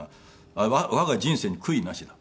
あっ「我が人生に悔いなし」だ。